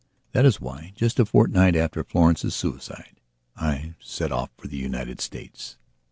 That was why, just a fortnight after Florence's suicide, I set off for the United States.